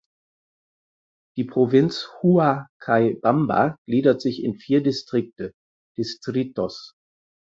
Die Provinz Huacaybamba gliedert sich in vier Distrikte "(Distritos)".